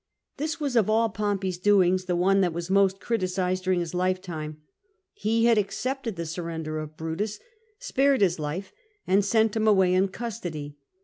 This was of all Pompey's doings, the one that was most criticised during his lifetime. He had accepted the surrender of Brutus, spared his life, and sent him away in custody.